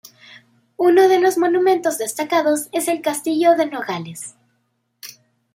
Unos de los monumentos destacados es el Castillo de Nogales.